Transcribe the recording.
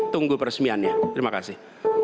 tunggu peresmiannya terima kasih